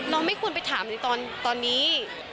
เราไม่ควรไปถามในตอนนี้